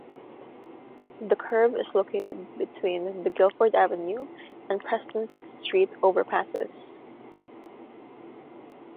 The curve is located between the Guilford Avenue and Preston Street overpasses.